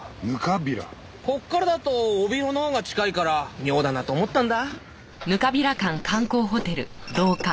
ここからだと帯広のほうが近いから妙だなと思ったんだ。